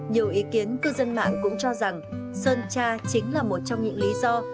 nhiều ý kiến cư dân mạng cũng cho rằng sơn tra chính là một trong những lý do